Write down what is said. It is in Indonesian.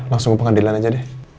langsung ke pengadilan aja deh